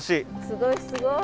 すごいすごい！